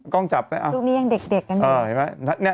กล้องจับได้รูปนี้ยังเด็กกันอยู่